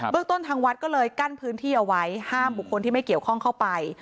เรื่องต้นทางวัดก็เลยกั้นพื้นที่เอาไว้ห้ามบุคคลที่ไม่เกี่ยวข้องเข้าไป